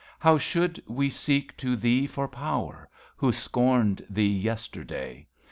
How should we seek to Thee for power, Who scorned Thee yesterday